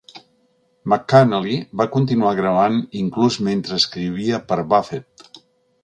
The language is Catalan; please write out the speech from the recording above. McAnally va continuar gravant inclús mentre escrivia per Buffett.